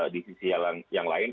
di sisi yang lain